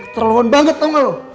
terlaluan banget tau gak lu